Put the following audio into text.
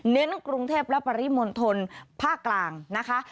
กรุงเทพและปริมณฑลภาคกลางนะคะ